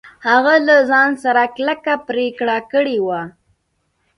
هغه له ځان سره کلکه پرېکړه کړې وه.